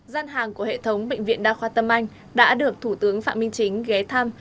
gian hàng của hệ thống bệnh viện đa khoa tâm anh đã được thủ tướng phạm minh chính ghé thăm